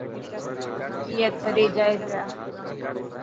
حڪي يا ٿري جائي پيا.